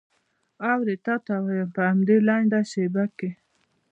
اورې تا ته وایم په همدې لنډه شېبه کې.